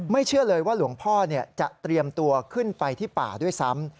เชื่อเลยว่าหลวงพ่อจะเตรียมตัวขึ้นไปที่ป่าด้วยซ้ำ